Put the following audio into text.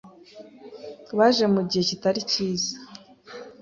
Baje mugihe kitari cyiza.